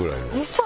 嘘！？